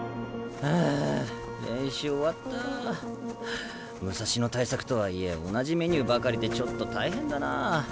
はあ武蔵野対策とはいえ同じメニューばかりでちょっと大変だな。